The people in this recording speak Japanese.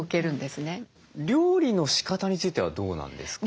料理のしかたについてはどうなんですか？